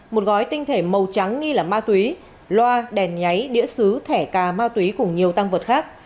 một gói tinh thể màu trắng nghi là ma túy loa đèn nháy đĩa xứ thẻ cà ma túy cùng nhiều tăng vật khác